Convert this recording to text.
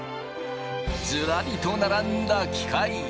ずらりと並んだ機械。